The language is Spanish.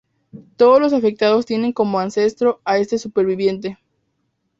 Todos los afectados tienen como ancestro a este superviviente.